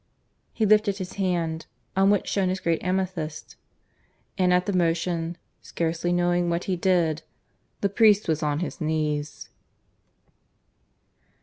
He lifted his hand on which shone his great amethyst, and at the motion, scarcely knowing what he did, the priest was on his knees.